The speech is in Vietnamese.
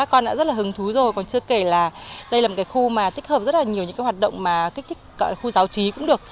con đã rất là hứng thú rồi còn chưa kể là đây là một cái khu mà thích hợp rất là nhiều những cái hoạt động mà kích thích khu giáo trí cũng được